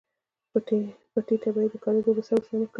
پټي ته به يې د کاريز اوبه ورسمې کړې وې.